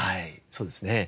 そうですね。